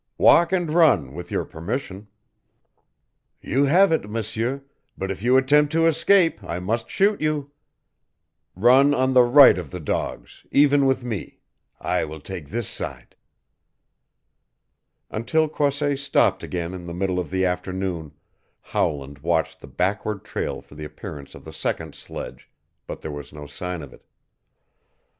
"Walk and run, with your permission." "You have it, M'seur, but if you attempt to escape I must shoot you. Run on the right of the dogs even with me. I will take this side." Until Croisset stopped again in the middle of the afternoon Howland watched the backward trail for the appearance of the second sledge, but there was no sign of it.